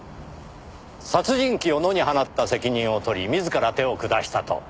殺人鬼を野に放った責任を取り自ら手を下したと。